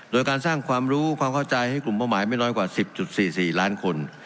โดยการสร้างความรู้ความเข้าใจให้กลุ่มเป้าหมายไม่น้อยกว่า๑๐๔๔ล้านคน